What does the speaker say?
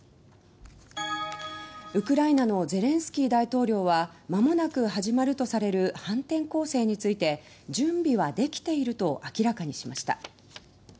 ウクライナのゼレンスキー大統領はまもなく始まるとされる反転攻勢について準備はできていると明らかにしました。